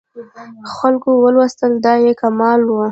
خلکو ولوستلې دا یې کمال و.